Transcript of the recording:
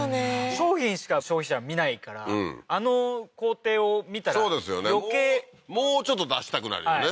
商品しか消費者は見ないからあの工程を見たら余計もうちょっと出したくなるよね